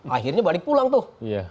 akhirnya balik pulang tuh